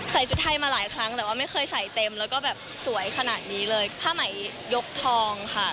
ชุดไทยมาหลายครั้งแต่ว่าไม่เคยใส่เต็มแล้วก็แบบสวยขนาดนี้เลยผ้าไหมยกทองค่ะ